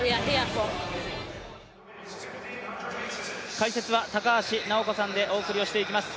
解説は高橋尚子さんでお送りをしていきます。